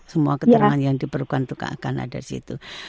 semua keterangan yang diperlukan juga akan ada di situ